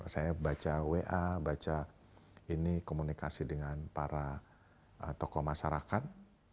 saya baca wa baca ini komunikasi dengan para tokoh masyarakat